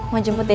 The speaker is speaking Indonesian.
mau jemput aku